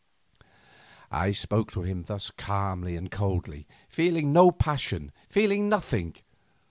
I spoke to him thus calmly and coldly, feeling no passion, feeling nothing.